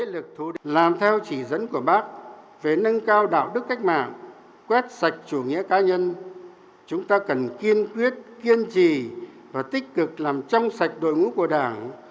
làm theo chỉ dẫn của bác về nâng cao đạo đức cách mạng quét sạch chủ nghĩa cá nhân chúng ta cần kiên quyết kiên trì và tích cực làm trong sạch đội ngũ của đảng